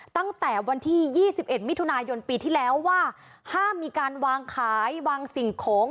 ตั้งแต่วันที่๒๑มิถุนายนปีที่แล้วว่าห้ามมีการวางขายวางสิ่งของ